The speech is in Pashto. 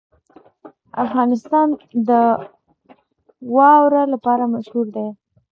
افغانستان د واوره لپاره مشهور دی.